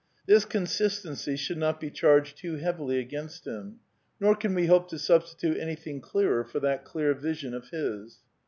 This consistency should not be charged too heavily against hinL Nor can we hope to substitute anything clearer for that clear vision of his.